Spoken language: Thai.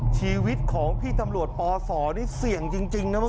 ชีวิตของพี่ตำรวจปศนี่เสี่ยงจริงนะเมื่อ